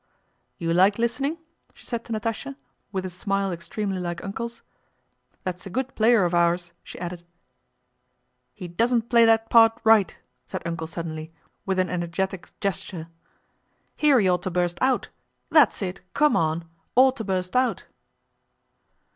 "You like listening?" she said to Natásha, with a smile extremely like "Uncle's." "That's a good player of ours," she added. "He doesn't play that part right!" said "Uncle" suddenly, with an energetic gesture. "Here he ought to burst out—that's it, come on!—ought to burst out."